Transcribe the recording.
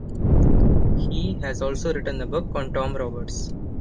He has also written a book on Tom Roberts.